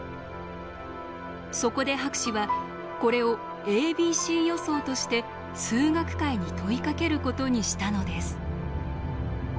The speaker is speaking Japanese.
そこで博士はこれを「ａｂｃ予想」として数学界に問いかけることにしたのです。